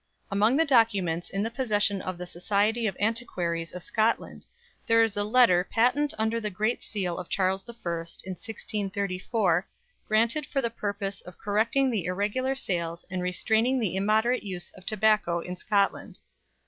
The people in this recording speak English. Among the documents in the possession of the Society of Antiquaries of Scotland there is a letter patent under the great seal of Charles I, in 1634, granted for the purpose of correcting the irregular sales and restraining the immoderate use of tobacco in Scotland.